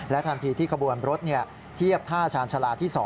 ทันทีที่ขบวนรถเทียบท่าชาญชาลาที่๒